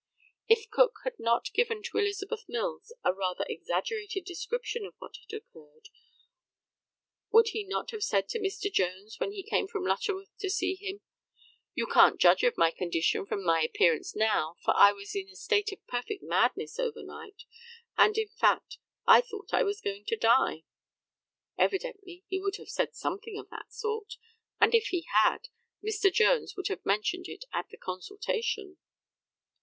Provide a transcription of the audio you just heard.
If Cook had not given to Elizabeth Mills a rather exaggerated description of what had occurred, would he not have said to Mr. Jones, when he came from Lutterworth to see him, "You can't judge of my condition from my appearance now, for I was in a state of perfect madness over night, and in fact, I thought that I was going to die?" Evidently he would have said something of that sort, and if he had, Mr. Jones would have mentioned it at the consultation.